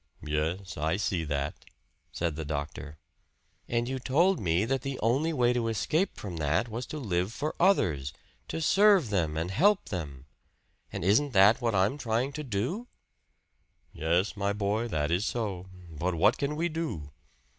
"Yes, I see that," said the doctor. "And you told me that the only way to escape from that was to live for others to serve them and help them. And isn't that what I'm trying to do?" "Yes, my boy, that is so. But what can we do?"